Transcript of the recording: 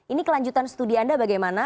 ini kelanjutan studi anda bagaimana